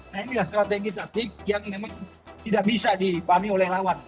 nah inilah strategi taktik yang memang tidak bisa dipahami oleh lawan